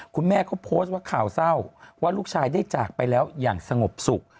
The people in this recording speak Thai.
คุณแม่เขาโพสต์ว่าข่าวเศร้าว่าลูกชายได้จากไปแล้วอย่างสงบสุข